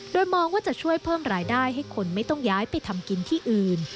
โดยมองว่าจะช่วยเพิ่มรายได้ให้คนไม่ต้องย้ายไปทำกินที่อื่น